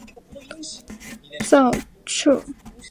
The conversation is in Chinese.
糙臭草为禾本科臭草属下的一个种。